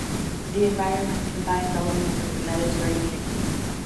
The environment combines elements of the Mediterranean.